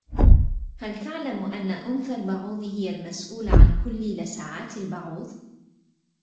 هل تعلم أن أنثى البعوض هي المسؤولة عن كل لسعات البعوض.